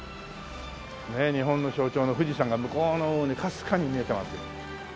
ねえ日本の象徴の富士山が向こうの方にかすかに見えてますよ。